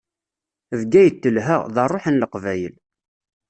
Bgayet telha, d ṛṛuḥ n Leqbayel.